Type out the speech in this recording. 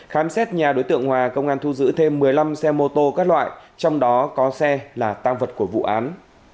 khám xét nhà đối tượng hòa công an thu giữ thêm một mươi năm xe mô tô các loại trong đó có xe là tăng vật của vụ án